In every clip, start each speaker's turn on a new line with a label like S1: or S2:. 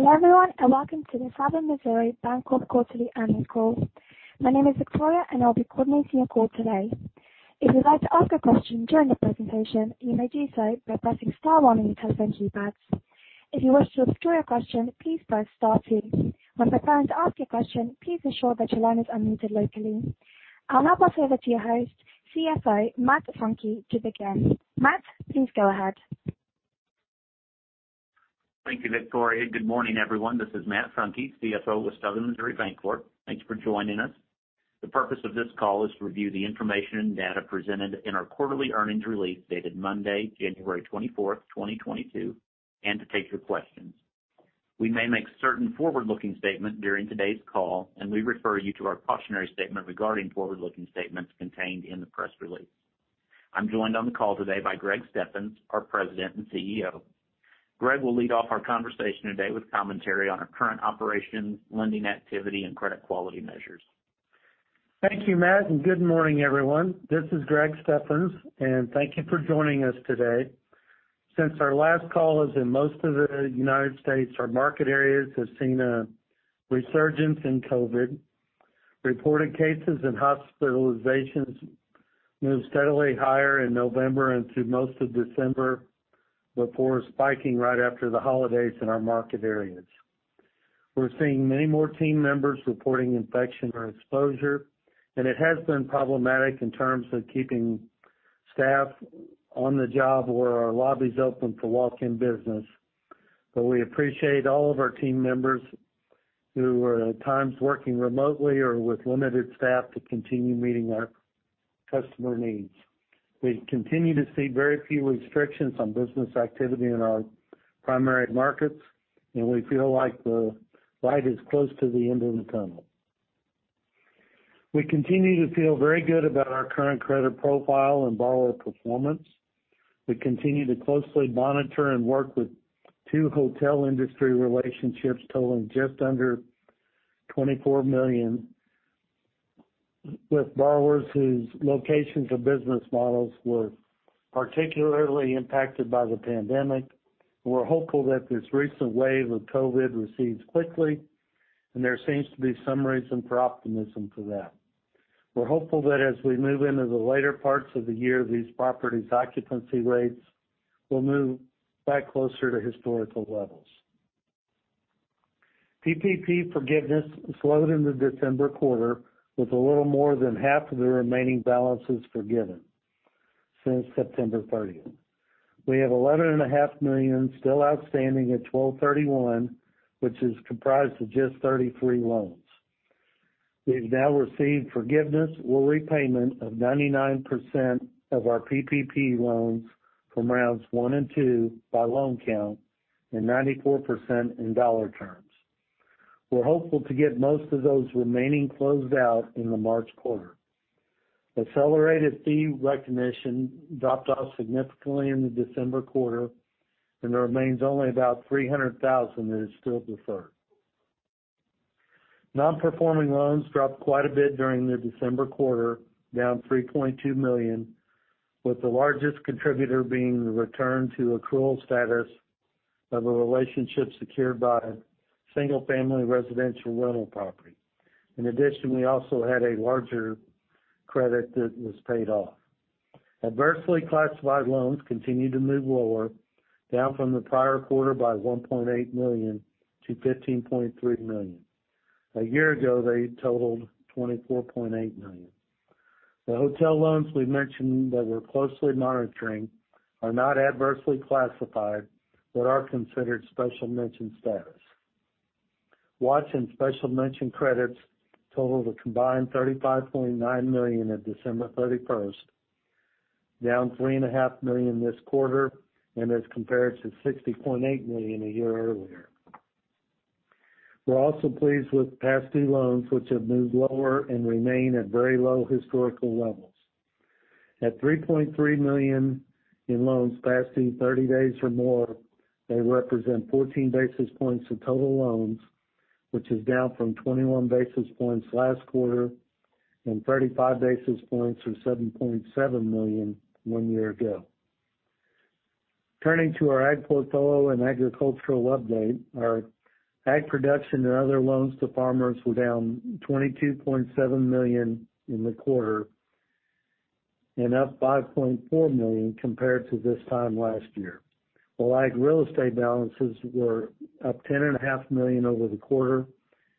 S1: Hello, everyone, and welcome to the Southern Missouri Bancorp Quarterly Earnings Call. My name is Victoria, and I'll be coordinating your call today. If you'd like to ask a question during the presentation, you may do so by pressing star one on your telephone keypads. If you wish to remove your question, please press star two. When preparing to ask your question, please ensure that your line is unmuted locally. I'll now pass over to your host, CFO Matt Funke, to begin. Matt, please go ahead.
S2: Thank you, Victoria. Good morning, everyone. This is Matt Funke, CFO of Southern Missouri Bancorp. Thanks for joining us. The purpose of this call is to review the information and data presented in our quarterly earnings release dated Monday, January 24, 2022, and to take your questions. We may make certain forward-looking statements during today's call, and we refer you to our cautionary statement regarding forward-looking statements contained in the press release. I'm joined on the call today by Greg Steffens, our President and CEO. Greg will lead off our conversation today with commentary on our current operations, lending activity and credit quality measures.
S3: Thank you, Matt, and good morning, everyone. This is Greg Steffens, and thank you for joining us today. Since our last call, as in most of the United States, our market areas have seen a resurgence in COVID. Reported cases and hospitalizations moved steadily higher in November into most of December, before spiking right after the holidays in our market areas. We're seeing many more team members reporting infection or exposure, and it has been problematic in terms of keeping staff on the job or our lobbies open for walk-in business. We appreciate all of our team members who are at times working remotely or with limited staff to continue meeting our customer needs. We continue to see very few restrictions on business activity in our primary markets, and we feel like the light is close to the end of the tunnel. We continue to feel very good about our current credit profile and borrower performance. We continue to closely monitor and work with two hotel industry relationships totaling just under $24 million, with borrowers whose locations or business models were particularly impacted by the pandemic. We're hopeful that this recent wave of COVID recedes quickly, and there seems to be some reason for optimism for that. We're hopeful that as we move into the later parts of the year, these properties' occupancy rates will move back closer to historical levels. PPP forgiveness slowed in the December quarter with a little more than half of the remaining balances forgiven since September 30. We have $11.5 million still outstanding at 12/31, which is comprised of just 33 loans. We've now received forgiveness or repayment of 99% of our PPP loans from rounds one and two by loan count and 94% in dollar terms. We're hopeful to get most of those remaining closed out in the March quarter. Accelerated fee recognition dropped off significantly in the December quarter, and there remains only about $300,000 that is still deferred. Nonperforming loans dropped quite a bit during the December quarter, down $3.2 million, with the largest contributor being the return to accrual status of a relationship secured by a single-family residential rental property. In addition, we also had a larger credit that was paid off. Adversely classified loans continued to move lower, down from the prior quarter by $1.8 million to $15.3 million. A year ago, they totaled $24.8 million. The hotel loans we mentioned that we're closely monitoring are not adversely classified, but are considered Special Mention status. Watch and Special Mention credits totaled a combined $35.9 million on December 31, down $3.5 million this quarter, and as compared to $60.8 million a year earlier. We're also pleased with past due loans, which have moved lower and remain at very low historical levels. At $3.3 million in loans past due 30 days or more, they represent 14 basis points of total loans, which is down from 21 basis points last quarter and 35 basis points or $7.7 million one year ago. Turning to our ag portfolio and agricultural update, our ag production and other loans to farmers were down $22.7 million in the quarter and up $5.4 million compared to this time last year. The ag real estate balances were up $10.5 million over the quarter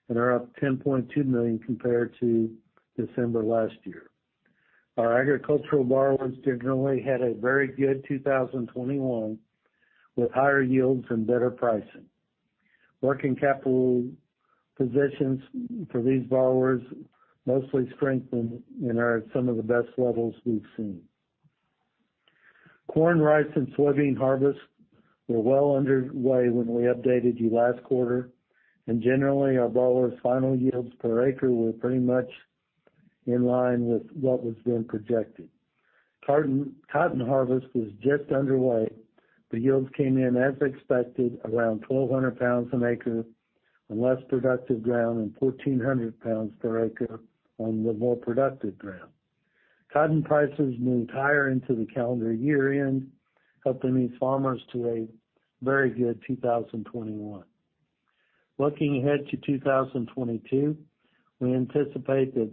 S3: and are up $10.2 million compared to December last year. Our agricultural borrowers generally had a very good 2021, with higher yields and better pricing. Working capital positions for these borrowers mostly strengthened and are at some of the best levels we've seen. Corn, rice, and soybean harvests were well underway when we updated you last quarter, and generally, our borrowers' final yields per acre were pretty much in line with what was being projected. Cotton harvest was just underway, but yields came in as expected, around 1,200 pounds an acre on less productive ground and 1,400 pounds per acre on the more productive ground. Cotton prices moved higher into the calendar year-end, helping these farmers to a very good 2021. Looking ahead to 2022, we anticipate that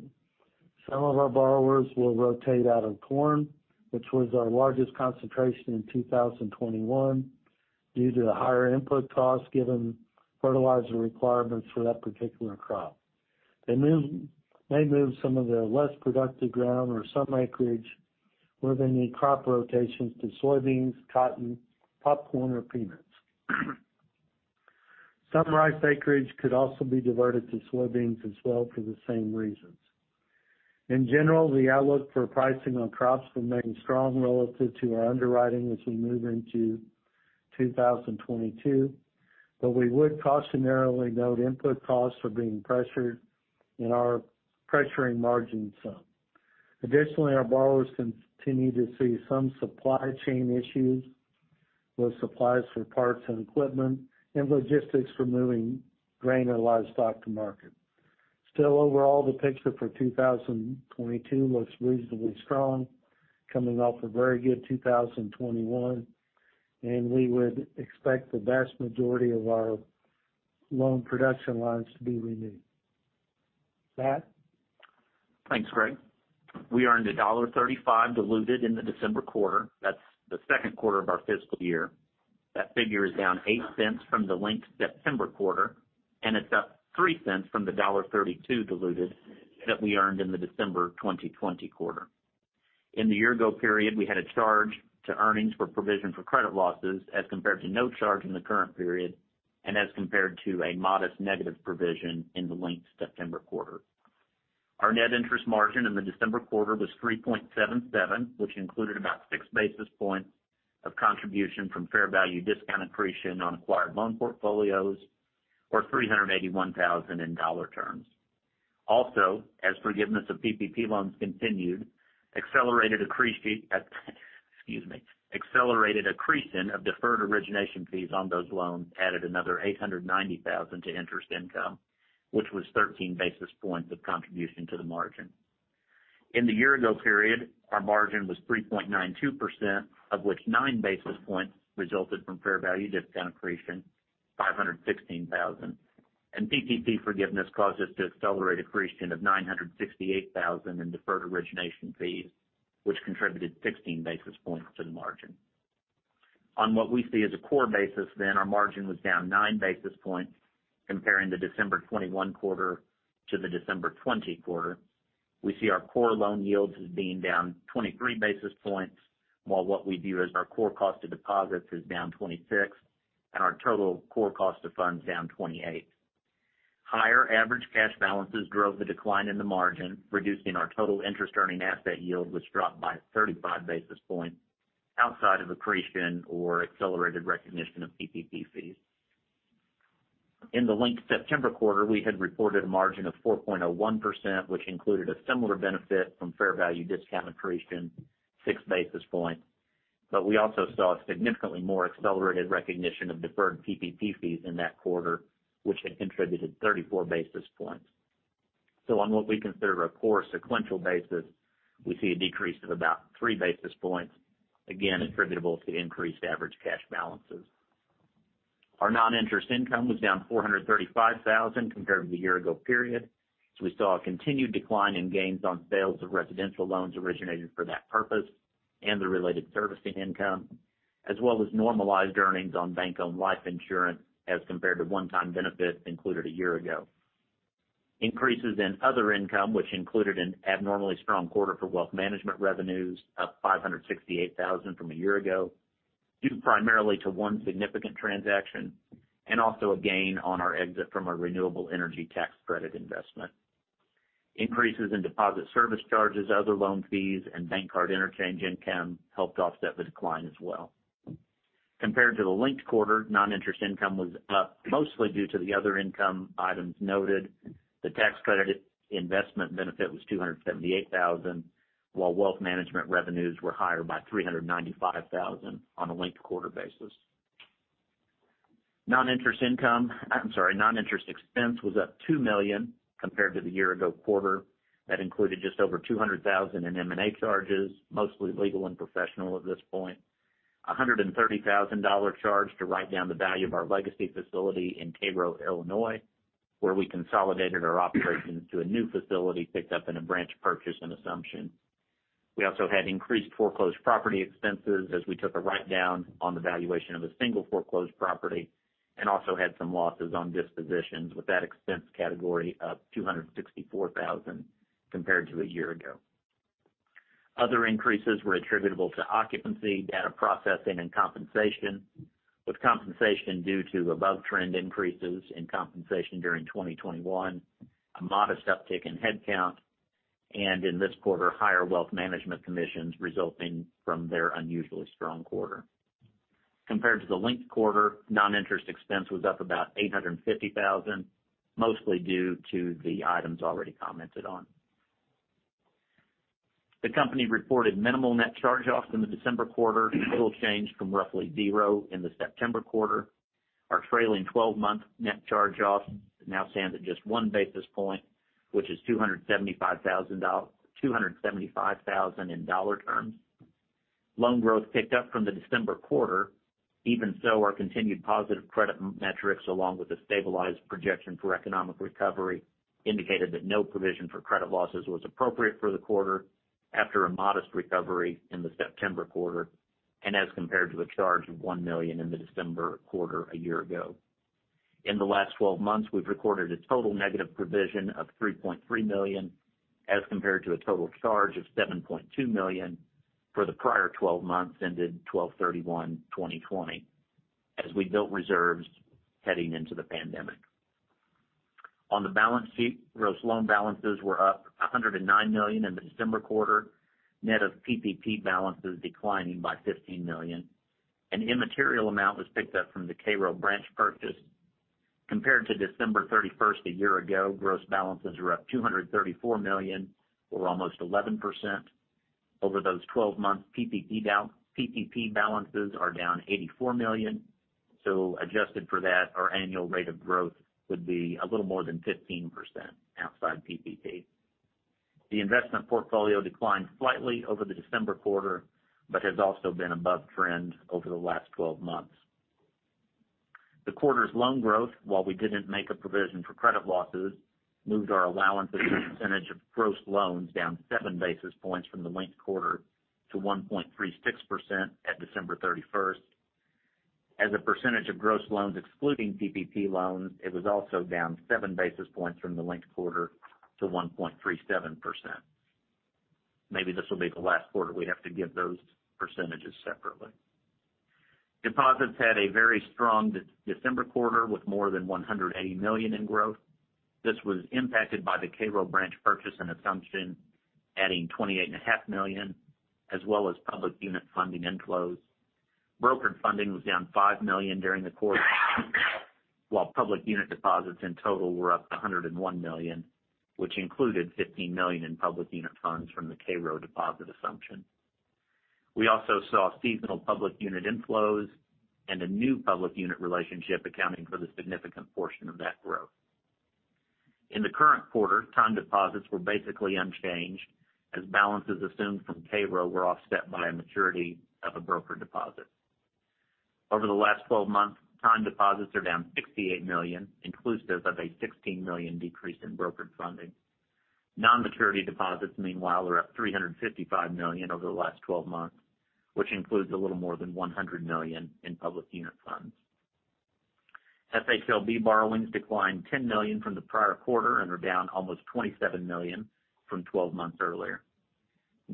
S3: some of our borrowers will rotate out of corn, which was our largest concentration in 2021 due to the higher input costs given fertilizer requirements for that particular crop. They may move some of their less productive ground or some acreage where they need crop rotations to soybeans, cotton, popcorn, or peanuts. Some rice acreage could also be diverted to soybeans as well for the same reasons. In general, the outlook for pricing on crops remaining strong relative to our underwriting as we move into 2022, but we would cautionarily note input costs are being pressured and are pressuring margins some. Additionally, our borrowers continue to see some supply chain issues with supplies for parts and equipment and logistics for moving grain or livestock to market. Still, overall, the picture for 2022 looks reasonably strong coming off a very good 2021, and we would expect the vast majority of our loan production lines to be renewed. Matt?
S2: Thanks, Greg. We earned $1.35 diluted in the December quarter. That's the second quarter of our fiscal year. That figure is down $0.08 from the linked September quarter, and it's up $0.03 from the $1.32 diluted that we earned in the December 2020 quarter. In the year ago period, we had a charge to earnings for provision for credit losses as compared to no charge in the current period, and as compared to a modest negative provision in the linked September quarter. Our net interest margin in the December quarter was 3.77%, which included about 6 basis points of contribution from fair value discount accretion on acquired loan portfolios, or $381,000 in dollar terms. Also, as forgiveness of PPP loans continued, accelerated accretion of deferred origination fees on those loans added another $890,000 to interest income, which was 13 basis points of contribution to the margin. In the year ago period, our margin was 3.92%, of which 9 basis points resulted from fair value discount accretion, $516,000, and PPP forgiveness caused us to accelerate accretion of $968,000 in deferred origination fees, which contributed 16 basis points to the margin. On what we see as a core basis then, our margin was down 9 basis points comparing the December 2021 quarter to the December 2020 quarter. We see our core loan yields as being down 23 basis points, while what we view as our core cost of deposits is down 26, and our total core cost of funds down 28. Higher average cash balances drove the decline in the margin, reducing our total interest earning asset yield, which dropped by 35 basis points outside of accretion or accelerated recognition of PPP fees. In the linked September quarter, we had reported a margin of 4.01%, which included a similar benefit from fair value discount accretion, 6 basis points, but we also saw a significantly more accelerated recognition of deferred PPP fees in that quarter, which had contributed 34 basis points. On what we consider a core sequential basis, we see a decrease of about 3 basis points, again, attributable to increased average cash balances. Our non-interest income was down $435,000 compared to the year ago period, as we saw a continued decline in gains on sales of residential loans originated for that purpose and the related servicing income, as well as normalized earnings on bank-owned life insurance as compared to one-time benefits included a year ago. Increases in other income, which included an abnormally strong quarter for wealth management revenues, up $568,000 from a year ago, due primarily to one significant transaction and also a gain on our exit from our renewable energy tax credit investment. Increases in deposit service charges, other loan fees, and bank card interchange income helped offset the decline as well. Compared to the linked quarter, non-interest income was up mostly due to the other income items noted. The tax credit investment benefit was $278,000, while wealth management revenues were higher by $395,000 on a linked quarter basis. Non-interest income. I'm sorry, non-interest expense was up $2 million compared to the year ago quarter. That included just over $200,000 in M&A charges, mostly legal and professional at this point. A $130,000 charge to write down the value of our legacy facility in Cairo, Illinois, where we consolidated our operations to a new facility picked up in a branch purchase and assumption. We also had increased foreclosed property expenses as we took a write-down on the valuation of a single foreclosed property and also had some losses on dispositions, with that expense category up $264,000 compared to a year ago. Other increases were attributable to occupancy, data processing, and compensation, with compensation due to above trend increases in compensation during 2021, a modest uptick in headcount, and in this quarter, higher wealth management commissions resulting from their unusually strong quarter. Compared to the linked quarter, non-interest expense was up about $850,000, mostly due to the items already commented on. The company reported minimal net charge-offs in the December quarter, little change from roughly zero in the September quarter. Our trailing 12-month net charge-off now stands at just one basis point, which is $275,000 in dollar terms. Loan growth picked up from the December quarter. Even so, our continued positive credit metrics, along with a stabilized projection for economic recovery, indicated that no provision for credit losses was appropriate for the quarter after a modest recovery in the September quarter, and as compared to a charge of $1 million in the December quarter a year ago. In the last 12 months, we've recorded a total negative provision of $3.3 million, as compared to a total charge of $7.2 million for the prior 12 months, ended 12/31/2020, as we built reserves heading into the pandemic. On the balance sheet, gross loan balances were up $109 million in the December quarter, net of PPP balances declining by $15 million. An immaterial amount was picked up from the Cairo branch purchase. Compared to December 31st a year ago, gross balances were up $234 million, or almost 11%. Over those 12 months, PPP balances are down $84 million. Adjusted for that, our annual rate of growth would be a little more than 15% outside PPP. The investment portfolio declined slightly over the December quarter, but has also been above trend over the last 12 months. The quarter's loan growth, while we didn't make a provision for credit losses, moved our allowance as a percentage of gross loans down 7 basis points from the linked quarter to 1.36% at December 31st. As a percentage of gross loans excluding PPP loans, it was also down 7 basis points from the linked quarter to 1.37%. Maybe this will be the last quarter we have to give those percentages separately. Deposits had a very strong the December quarter, with more than $180 million in growth. This was impacted by the Cairo branch purchase and assumption, adding $28.5 million, as well as public unit funding inflows. Brokered funding was down $5 million during the quarter, while public unit deposits in total were up $101 million, which included $15 million in public unit funds from the Cairo deposit assumption. We also saw seasonal public unit inflows and a new public unit relationship accounting for the significant portion of that growth. In the current quarter, time deposits were basically unchanged as balances assumed from Cairo were offset by a maturity of a broker deposit. Over the last 12 months, time deposits are down $68 million, inclusive of a $16 million decrease in brokered funding. Non-maturity deposits, meanwhile, are up $355 million over the last 12 months, which includes a little more than $100 million in public unit funds. FHLB borrowings declined $10 million from the prior quarter and are down almost $27 million from 12 months earlier.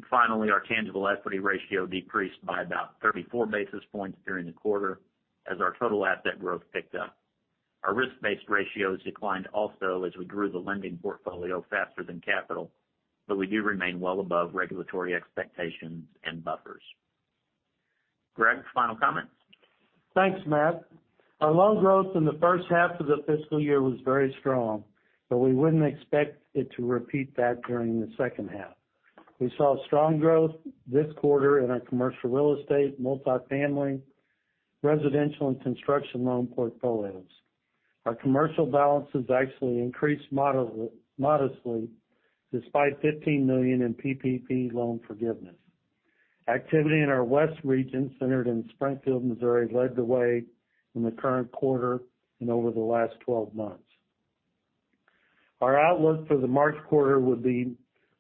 S2: Finally, our tangible equity ratio decreased by about 34 basis points during the quarter as our total asset growth picked up. Our risk-based ratios declined also as we grew the lending portfolio faster than capital, but we do remain well above regulatory expectations and buffers. Greg, final comments?
S3: Thanks, Matt. Our loan growth in the first half of the fiscal year was very strong, but we wouldn't expect it to repeat that during the second half. We saw strong growth this quarter in our commercial real estate, multifamily, residential, and construction loan portfolios. Our commercial balances actually increased modestly despite $15 million in PPP loan forgiveness. Activity in our West region, centered in Springfield, Missouri, led the way in the current quarter and over the last twelve months. Our outlook for the March quarter would be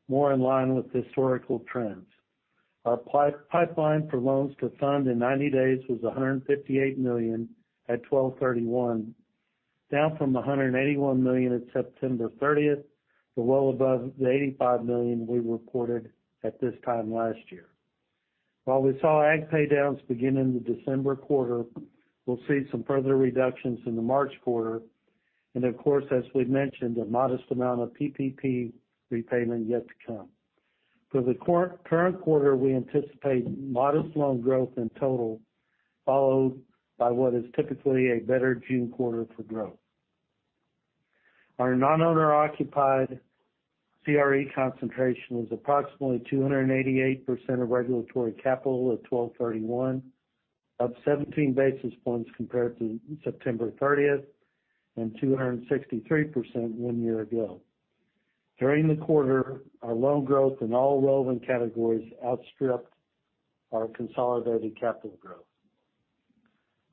S3: more in line with historical trends. Our pipeline for loans to fund in 90 days was $158 million at 12/31, down from $181 million at September 30, but well above the $85 million we reported at this time last year. While we saw ag paydowns begin in the December quarter, we'll see some further reductions in the March quarter and, of course, as we've mentioned, a modest amount of PPP repayment yet to come. For the current quarter, we anticipate modest loan growth in total, followed by what is typically a better June quarter for growth. Our non-owner occupied CRE concentration was approximately 288% of regulatory capital at 12/31, up 17 basis points compared to September 30 and 263% one year ago. During the quarter, our loan growth in all relevant categories outstripped our consolidated capital growth.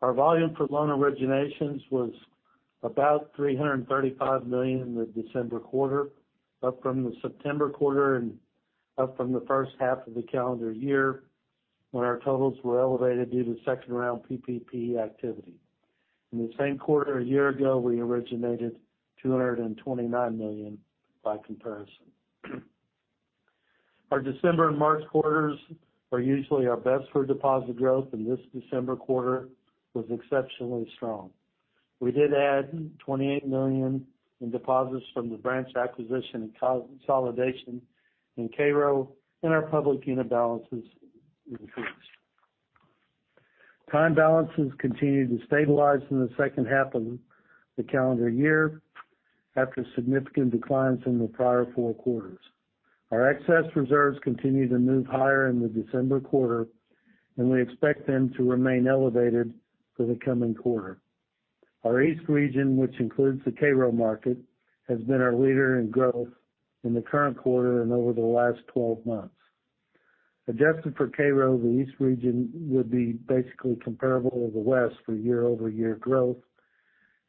S3: Our volume for loan originations was about $335 million in the December quarter, up from the September quarter and up from the first half of the calendar year, when our totals were elevated due to second-round PPP activity. In the same quarter a year ago, we originated $229 million by comparison. Our December and March quarters are usually our best for deposit growth, and this December quarter was exceptionally strong. We did add $28 million in deposits from the branch acquisition and consolidation in Cairo, and our public unit balances increased. Time balances continued to stabilize in the second half of the calendar year after significant declines in the prior four quarters. Our excess reserves continued to move higher in the December quarter, and we expect them to remain elevated for the coming quarter. Our East region, which includes the Cairo market, has been our leader in growth in the current quarter and over the last 12 months. Adjusted for Cairo, the East region would be basically comparable to the West for year-over-year growth.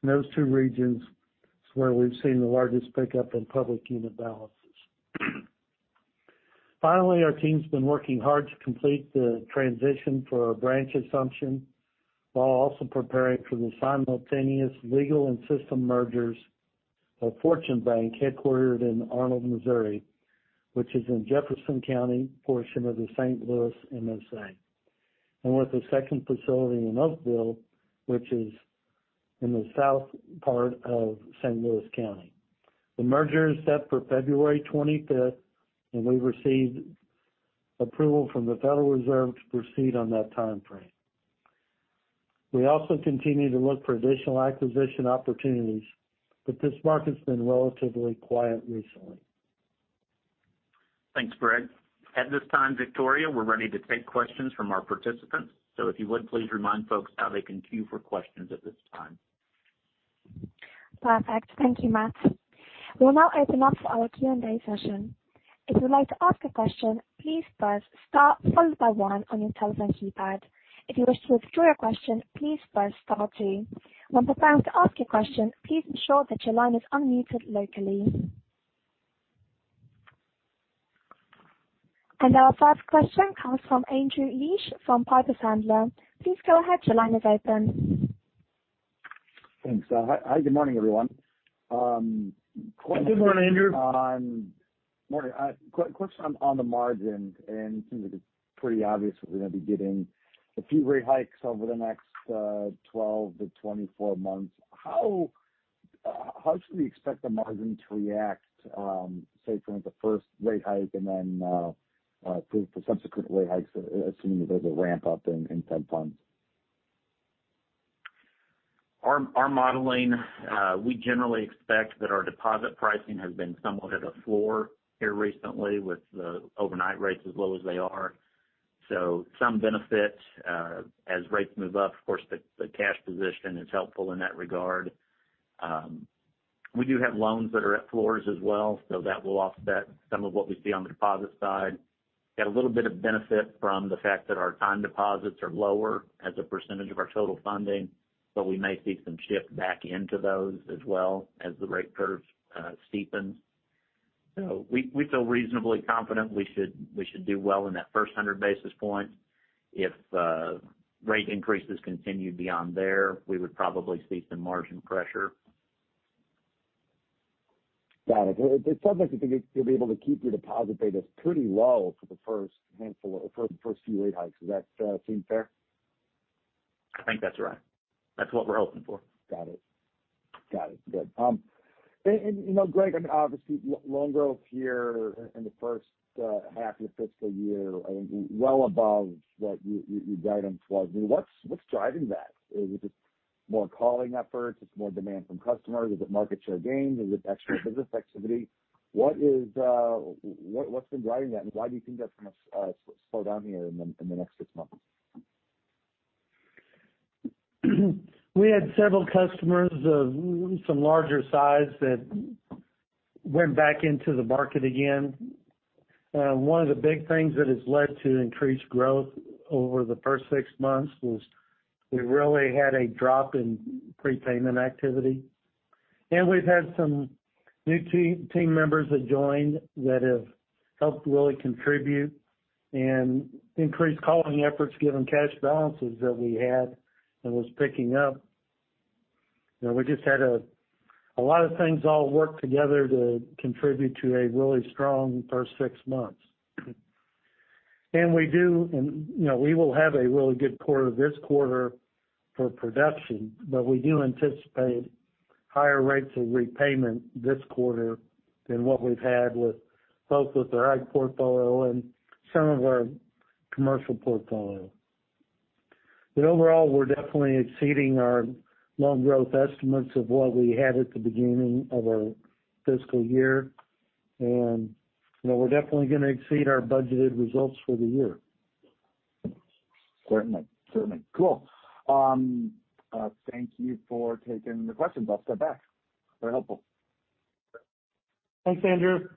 S3: Those two regions is where we've seen the largest pickup in public unit balances. Finally, our team's been working hard to complete the transition for our branch assumption while also preparing for the simultaneous legal and system mergers of FortuneBank, headquartered in Arnold, Missouri, which is in Jefferson County, portion of the St. Louis MSA, and with a second facility in Oakville, which is in the south part of St. Louis County. The merger is set for February 25, and we've received approval from the Federal Reserve to proceed on that timeframe. We also continue to look for additional acquisition opportunities, but this market's been relatively quiet recently.
S2: Thanks, Greg. At this time, Victoria, we're ready to take questions from our participants. If you would, please remind folks how they can queue for questions at this time.
S1: Perfect. Thank you, Matt. We'll now open up for our Q&A session. If you'd like to ask a question, please press Star followed by one on your telephone keypad. If you wish to withdraw your question, please press star two. When preparing to ask your question, please ensure that your line is unmuted locally. Our first question comes from Andrew Liesch from Piper Sandler. Please go ahead. Your line is open.
S4: Thanks. Hi. Good morning, everyone.
S3: Good morning, Andrew.
S4: Question on the margin, and it seems like it's pretty obvious that we're gonna be getting a few rate hikes over the next 12-24 months. How should we expect the margin to react, say, from the first rate hike and then for subsequent rate hikes, assuming that there's a ramp up in Fed funds?
S2: Our modeling, we generally expect that our deposit pricing has been somewhat at a floor here recently with the overnight rates as low as they are. Some benefit as rates move up, of course, the cash position is helpful in that regard. We do have loans that are at floors as well, so that will offset some of what we see on the deposit side. Got a little bit of benefit from the fact that our time deposits are lower as a percentage of our total funding, but we may see some shift back into those as well as the rate curve steepens. We feel reasonably confident we should do well in that first 100 basis points. If rate increases continue beyond there, we would probably see some margin pressure.
S4: Got it. It sounds like you think you'll be able to keep your deposit betas pretty low for the first handful or for the first few rate hikes. Does that seem fair?
S2: I think that's right. That's what we're hoping for.
S4: Got it. Good. You know, Greg, I mean, obviously loan growth here in the first half of the fiscal year, I mean, well above what you guided towards. I mean, what's driving that? Is it just more calling efforts? Is it more demand from customers? Is it market share gains? Is it extra business activity? What's been driving that, and why do you think that's gonna slow down here in the next six months?
S3: We had several customers of some larger size that went back into the market again. One of the big things that has led to increased growth over the first six months was we really had a drop in prepayment activity. We've had some new team members that joined that have helped really contribute and increased calling efforts given cash balances that we had and was picking up. You know, we just had a lot of things all work together to contribute to a really strong first six months. You know, we will have a really good quarter this quarter for production, but we do anticipate higher rates of repayment this quarter than what we've had with both our ag portfolio and some of our commercial portfolio. Overall, we're definitely exceeding our loan growth estimates of what we had at the beginning of our fiscal year, and, you know, we're definitely gonna exceed our budgeted results for the year.
S4: Certainly. Cool. Thank you for taking the questions. I'll step back. Very helpful.
S3: Thanks, Andrew.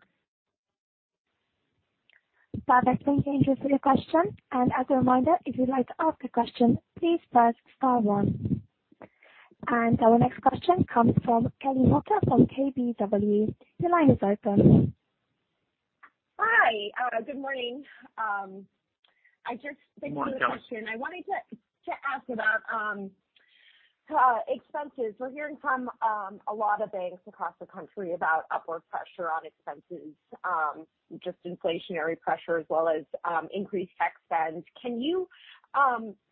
S1: Perfect. Thank you, Andrew, for your question. As a reminder, if you'd like to ask a question, please press star one. Our next question comes from Kelly Motta from KBW. Your line is open.
S5: Hi. Good morning. I just-
S3: Good morning, Kelly.
S5: I have a question. I wanted to ask about expenses. We're hearing from a lot of banks across the country about upward pressure on expenses, just inflationary pressure as well as increased tax spends. Can you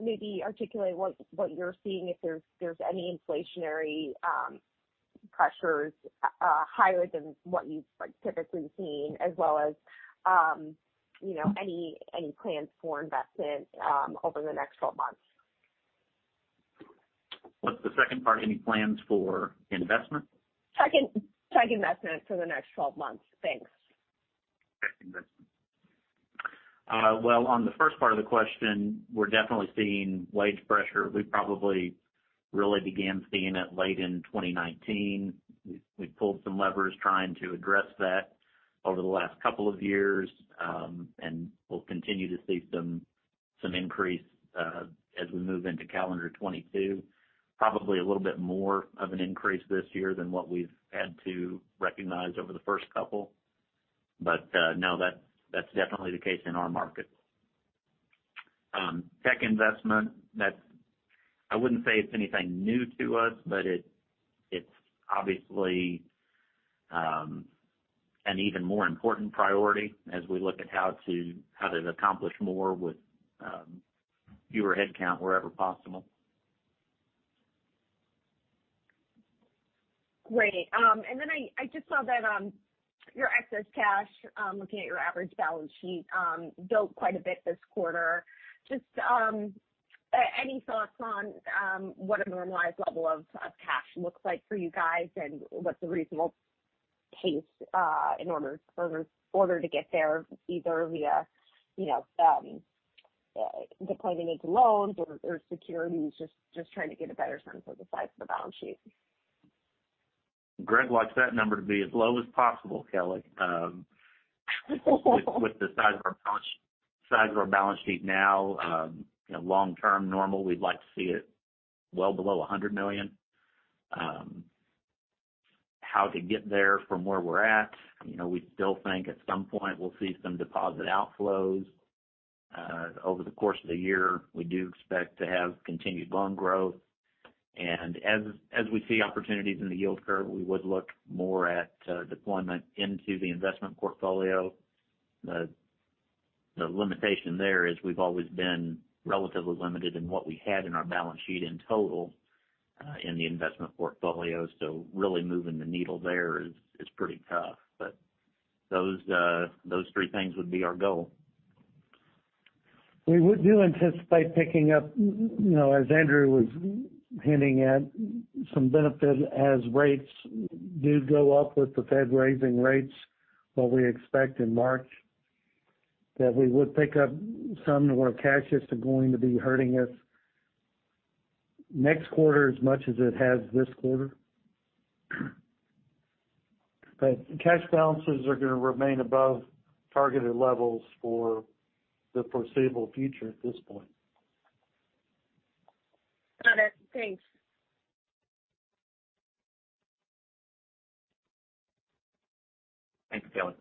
S5: maybe articulate what you're seeing, if there's any inflationary pressures higher than what you've like typically seen as well as you know any plans for investment over the next twelve months?
S2: What's the second part? Any plans for investment?
S5: Second, tech investment for the next twelve months. Thanks.
S2: Tech investment. Well, on the first part of the question, we're definitely seeing wage pressure. We probably really began seeing it late in 2019. We pulled some levers trying to address that over the last couple of years, and we'll continue to see some increase as we move into calendar 2022. Probably a little bit more of an increase this year than what we've had to recognize over the first couple. No, that's definitely the case in our market. Tech investment, that's. I wouldn't say it's anything new to us, but it's obviously an even more important priority as we look at how to accomplish more with fewer headcount wherever possible.
S5: Great. I just saw that your excess cash, looking at your average balance sheet, built quite a bit this quarter. Just any thoughts on what a normalized level of cash looks like for you guys, and what's a reasonable pace in order to get there, either via you know deploying into loans or securities, just trying to get a better sense of the size of the balance sheet.
S2: Greg wants that number to be as low as possible, Kelly. With the size of our balance sheet now, you know, long term, normal, we'd like to see it well below $100 million. How to get there from where we're at, you know, we still think at some point we'll see some deposit outflows. Over the course of the year, we do expect to have continued loan growth. As we see opportunities in the yield curve, we would look more at deployment into the investment portfolio. The limitation there is we've always been relatively limited in what we had in our balance sheet in total in the investment portfolio. Really moving the needle there is pretty tough. Those three things would be our goal.
S3: We anticipate picking up, you know, as Andrew was hinting at, some benefit as rates do go up with the Fed raising rates, what we expect in March, that we would pick up some to where cash isn't going to be hurting us next quarter as much as it has this quarter. Cash balances are gonna remain above targeted levels for the foreseeable future at this point.
S5: Got it. Thanks.
S2: Thanks, Kelly.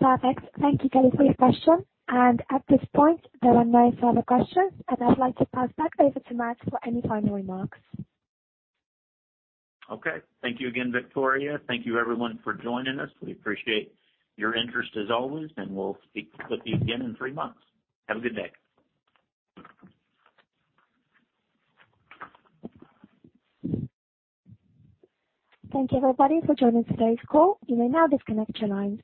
S1: Perfect. Thank you, Kelly, for your question. At this point, there are no further questions. I'd like to pass back over to Matt for any final remarks.
S2: Okay. Thank you again, Victoria. Thank you everyone for joining us. We appreciate your interest as always, and we'll speak with you again in three months. Have a good day.
S1: Thank you everybody for joining today's call. You may now disconnect your lines.